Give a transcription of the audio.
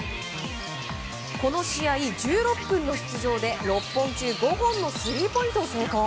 この試合１６分の出場で６本中５本のスリーポイントを成功。